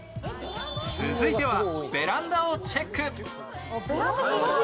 続いてはベランダをチェック。